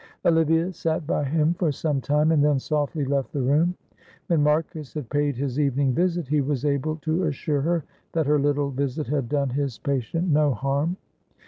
Olivia sat by him for some time, and then softly left the room. When Marcus had paid his evening visit he was able to assure her that her little visit had done his patient no harm.